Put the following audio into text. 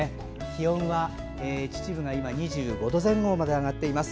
気温は秩父が今２５度前後まで上がっています。